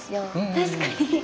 確かに。